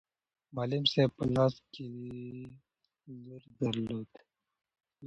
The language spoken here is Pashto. معلم صاحب په لاس کې لور درلود.